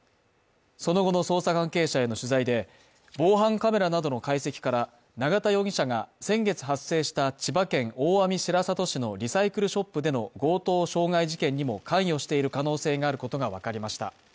その後の捜査関係者への取材で、防犯カメラなどの解析から永田容疑者が先月発生した千葉県大網白里市のリサイクルショップでの強盗傷害事件にも関与している可能性があることが分かりました。